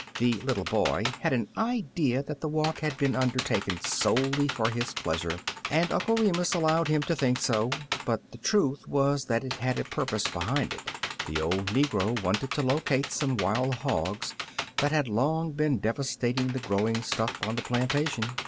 The little boy had an idea that the walk had been undertaken solely for his pleasure, and Uncle Remus allowed him to think so; but the truth was that it had a purpose behind it. The old negro wanted to locate some wild hogs that had long been devastating the growing stuff on the plan tation.